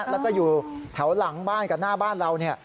แล้วก็อยู่แถวหลังบ้านกับหน้าบ้านเรา